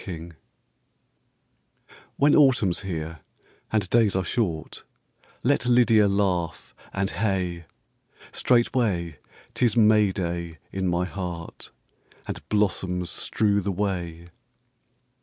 Lydia. When Autumn's here and days are short, Let LYDIA laugh and, hey! Straightway 't is May day in my heart, And blossoms strew the way.